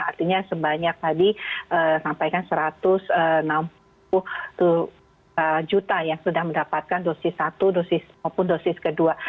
artinya sebanyak tadi sampaikan satu ratus enam puluh juta yang sudah mendapatkan dosis satu dosis maupun dosis kedua